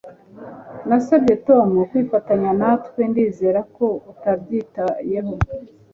Nasabye Tom kwifatanya natwe Ndizera ko utabyitayeho